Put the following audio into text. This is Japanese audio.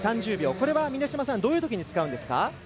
これは峰島さんどういうときに使うんですか？